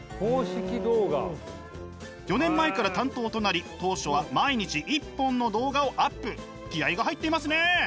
４年前から担当となり気合いが入っていますね！